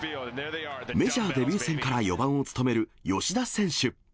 メジャーデビュー戦から４番を務める吉田選手。